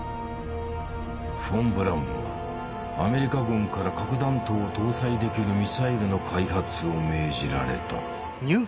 フォン・ブラウンはアメリカ軍から核弾頭を搭載できるミサイルの開発を命じられた。